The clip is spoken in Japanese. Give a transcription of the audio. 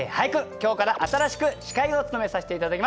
今日から新しく司会を務めさせて頂きます。